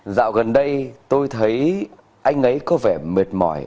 dạo gần đây tôi thấy anh ấy có vẻ mệt mỏi